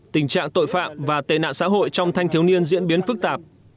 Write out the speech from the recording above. tình trạng tội phạm và tệ nạn xã hội trong thanh thiếu niên diễn biến phức tạp